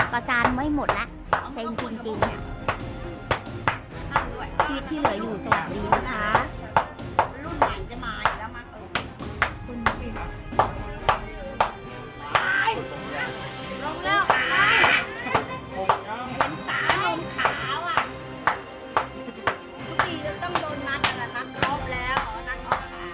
อัตราจารย์ไม่หมดละเส้นจริงจริง